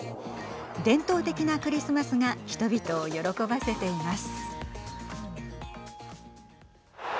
伝統的なクリスマスが人々を喜ばせています。